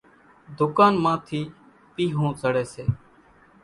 ۮُڪانَ مان ٿِي پيۿون زڙيَ سي۔